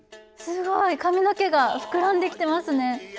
すごい！髪の毛が膨らんできてますね。